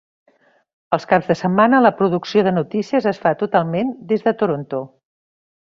Als caps de setmana la producció de notícies es fa totalment des de Toronto.